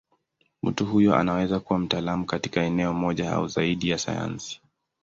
Mtu huyo anaweza kuwa mtaalamu katika eneo moja au zaidi ya sayansi.